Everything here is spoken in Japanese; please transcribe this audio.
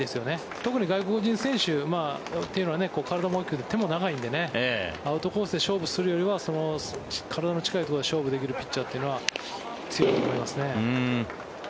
特に外国人選手というのは体も大きくて、腕も長いのでアウトコースで勝負するよりは体の近いところで勝負できるピッチャーは強いと思いますね。